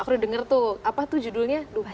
aku udah denger tuh apa tuh judulnya lupa deh